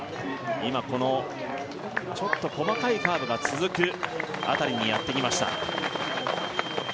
今このちょっと細かいカーブが続く辺りにやってきました